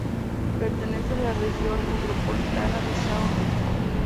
Pertenece a la Región Metropolitana de São Luís.